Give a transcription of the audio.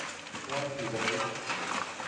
رات گزاری